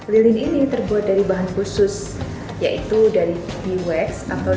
lilin ini terbuat dari bahan khusus yaitu dari biwax